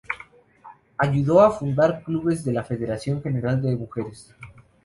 Ayudó a fundar clubes de la Federación General de mujeres.